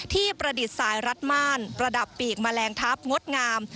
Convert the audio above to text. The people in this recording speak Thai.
ประดิษฐ์สายรัดม่านประดับปีกแมลงทัพงดงาม